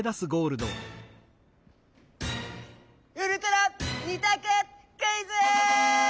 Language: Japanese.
ウルトラ２たくクイズ！